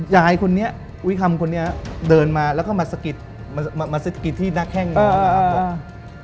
ยายคนนี้อุ้ยคำคนนี้เดินมาแล้วก็มาสะกิดมาสะกิดที่หน้าแข้งนะครับผม